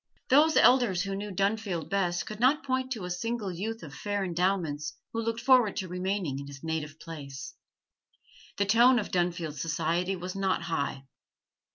Those elders who knew Dunfield best could not point to a single youth of fair endowments who looked forward to remaining in his native place. The tone of Dunfield society was not high.